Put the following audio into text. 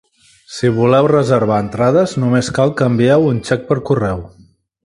Si voleu reservar entrades, només cal que envieu un xec per correu.